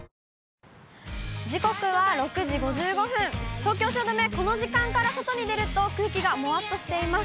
東京・汐留、この時間から外に出ると、空気がもわっとしています。